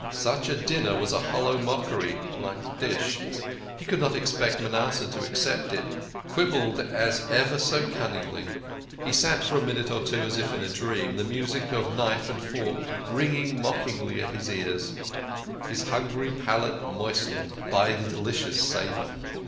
Such a dinner was a hollow mockery like the dish. He could not expect Manasseh to accept it, quibbled he ever so cunningly. He sat for a minute or two as in a dream, the music of knife and fork ringing mockingly in his ears, his hungry palate moistened by the delicious savour.